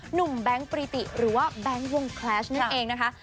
หนุ่มแบงค์ปริติหรือว่าแบงค์วงแคลชนั่นเองนะฮะใช่